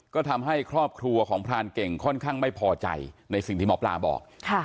ก็ทำให้ครอบครัวของพรานเก่งค่อนข้างไม่พอใจในสิ่งที่หมอปลาบอก